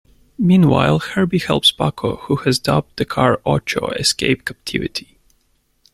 Meanwhile, Herbie helps Paco, who has dubbed the car 'Ocho', escape captivity.